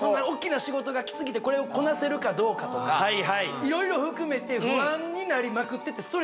大っきな仕事が来すぎてこれをこなせるかどうかとかいろいろ含めて不安になりまくってて